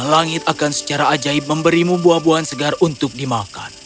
langit akan secara ajaib memberimu buah buahan segar untuk dimakan